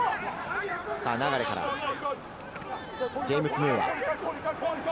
流からジェームス・ムーア。